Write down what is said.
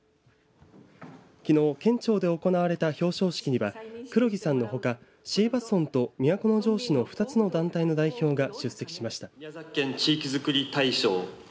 きのう県庁で行われた表彰式には黒木さんのほか椎葉村と都城市の２つの団体の代表が出席しました。